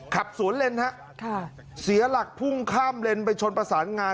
ขับสวนเลนฮะเสียหลักพุ่งข้ามเลนไปชนประสานงาน